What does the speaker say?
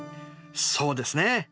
そうですね。